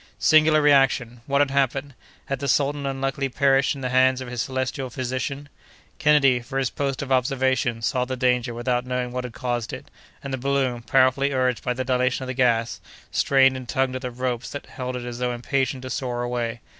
Singular reaction! What had happened? Had the sultan unluckily perished in the hands of his celestial physician? Kennedy, from his post of observation, saw the danger without knowing what had caused it, and the balloon, powerfully urged by the dilation of the gas, strained and tugged at the ropes that held it as though impatient to soar away.